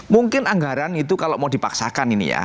mungkin anggaran itu kalau mau dipaksakan ini ya